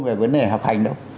về vấn đề học hành đâu